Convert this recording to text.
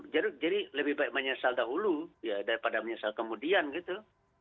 jadi lebih baik menyesal dahulu daripada menyesal kemudian gitu